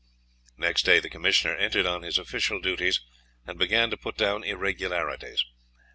Next day the commissioner entered on his official duties, and began to put down irregularities.